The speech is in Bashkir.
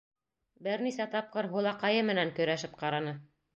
Бер нисә тапҡыр һулаҡайы менән көрәшеп ҡараны.